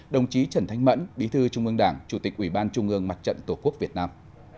đồng chí trần thanh mẫn bí thư trung ương đảng chủ tịch ủy ban trung ương mặt trận tổ quốc việt nam